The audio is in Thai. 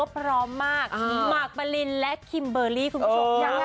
พร้อมมากหมากปะลินและคิมเบอร์รี่คุณผู้ชม